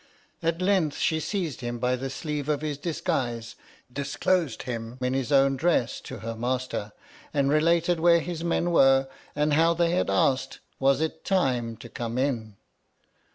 At length she seized him by the sleeve of his disguise, disclosed him in his as own dress to her master, and related where his men were, and how they had asked Was it time to come in